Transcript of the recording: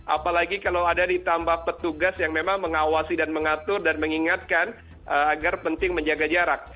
apalagi kalau ada ditambah petugas yang memang mengawasi dan mengatur dan mengingatkan agar penting menjaga jarak